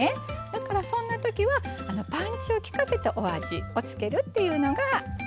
だからそんなときはパンチをきかせたお味を付けるっていうのがオススメです。